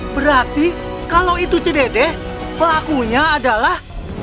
berarti kalau itu cedede pelakunya adalah